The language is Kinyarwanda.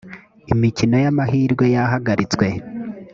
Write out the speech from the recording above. imikino y amahirwe yahagaratswe